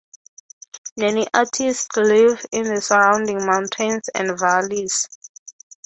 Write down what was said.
Many artists live in the surrounding mountains and valleys.